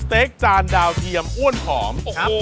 เค้กจานดาวเทียมอ้วนหอมครับ